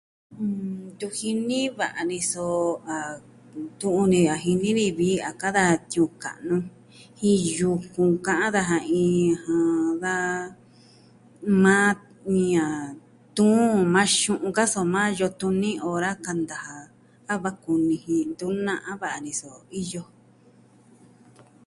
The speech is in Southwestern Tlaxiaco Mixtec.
Ntu jini va'a ni, so tu'un ni a jini ni vi a ka'an da tiuun ka'nu jin yukun ka'an daja iin, jɨn... da... na ni a tuun maa xu'un ka, soma iyo tuni ora kanta ja a va kuni ji ntu na'a va'a ni. so iyo jo.